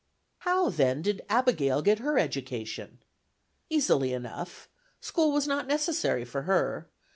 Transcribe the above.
How, then, did Abigail get her education? Easily enough; school was not necessary for her.